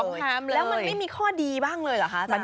คำถามแล้วมันไม่มีข้อดีบ้างเลยเหรอคะอาจารย